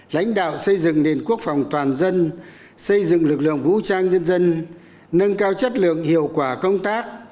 lãnh đạo xây dựng nền quốc phòng toàn dân xây dựng lực lượng vũ trang nhân dân nâng cao chất lượng hiệu quả công tác